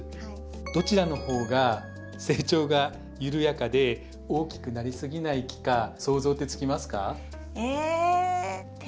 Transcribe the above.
どちらの方が成長が緩やかで大きくなりすぎない木か想像ってつきますか？